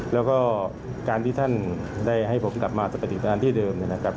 แล้วก็การที่ท่านได้ให้ผมกลับมาจากประติศาลที่เดิม